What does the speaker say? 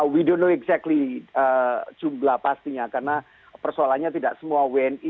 we don't know exactly jumlah pastinya karena persoalannya tidak semua wni